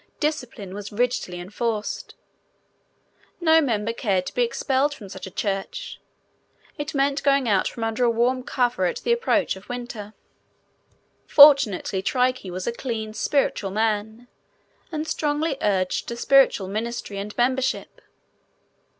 Discipline was rigidly enforced. No member cared to be expelled from such a church. It meant a going out from under a warm cover at the approach of winter. Fortunately, Trique was a clean, spiritual man and strongly urged a spiritual ministry and membership.